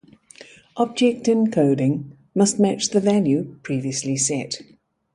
Object encoding must match the value previously set.